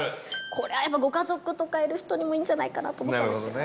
これは、やっぱ、ご家族とかいる人にもいいんじゃないかなと思ったんですけどね。